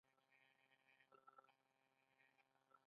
مینه د هر مخلوق د فطرت برخه ده.